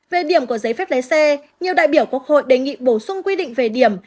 về điểm của giấy phép lấy xe nhiều đại biểu quốc hội đề nghị bổ sung quy định về điểm